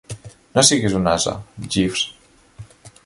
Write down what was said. No siguis un ase, Jeeves.